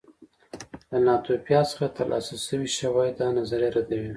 له ناتوفیان څخه ترلاسه شوي شواهد دا نظریه ردوي